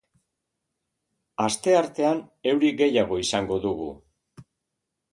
Astertean euri gehiago izango dugu.